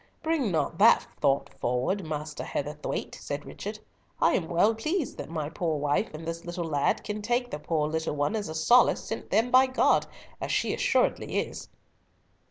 '" "Bring not that thought forward, Master Heatherthwayte," said Richard, "I am well pleased that my poor wife and this little lad can take the poor little one as a solace sent them by God, as she assuredly is."